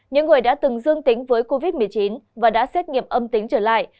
những người đã từng dương tính với covid một mươi chín và đã xét nghiệm âm tính trở lại